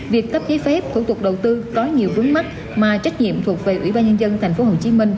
việc cấp giấy phép thủ tục đầu tư có nhiều vấn mắc mà trách nhiệm thuộc về ủy ban nhân dân tp hcm